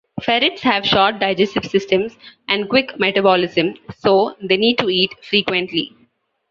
Ferrets have short digestive systems and quick metabolism, so they need to eat frequently.